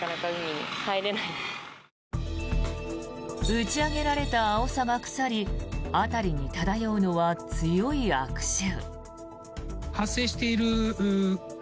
打ち上げられたアオサが腐り辺りに漂うのは強い悪臭。